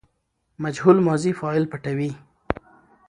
مجهول ماضي فاعل پټوي.